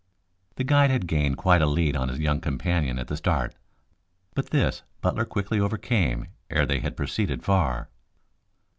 The guide had gained quite a lead on his young companion at the start, but this Butler quickly overcame ere they had proceeded far.